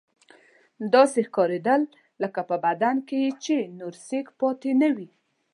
داسې ښکارېدل لکه په بدن کې چې یې نور سېک پاتې نه وي.